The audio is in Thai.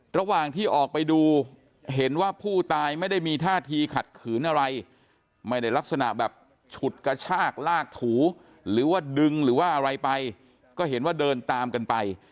ระหว่างที่ออกไปดูเห็นว่าผู้ตายไม่ได้มีท่าทีขัดขืนอะไรไม่ได้ลักษณะแบบฉุดกระชากลากถูหรือว่าดึงหรือว่าอะไรไปก็เห็นว่าเดินตามกันไป